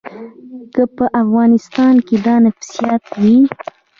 که په انسان کې دا نفسیات وي.